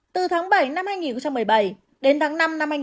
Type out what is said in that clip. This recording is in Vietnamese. từ tháng bảy năm hai nghìn một mươi bảy đến tháng năm năm hai nghìn một mươi chín